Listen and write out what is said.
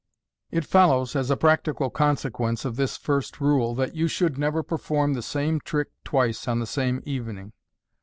It follows, as a practical consequence of this first rule, that you should never perform the same trick twice on the same evening.